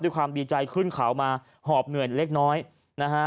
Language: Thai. ความดีใจขึ้นเขามาหอบเหนื่อยเล็กน้อยนะฮะ